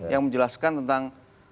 yang menjelaskan tentang